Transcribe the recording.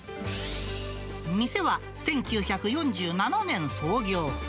店は１９４７年創業。